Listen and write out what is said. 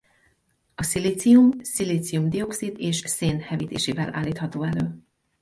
A szilícium szilícium-dioxid és szén hevítésével állítható elő.